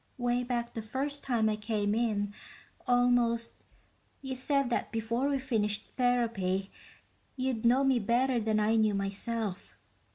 "Way back the first time I came in, almost, you said that before we finished therapy, you'd know me better than I knew myself.